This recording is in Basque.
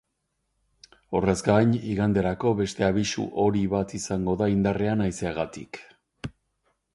Horrez gain, iganderako beste abisu hori bat izango da indarrean haizeagatik.